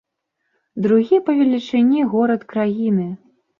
Другі па велічыні горад краіны.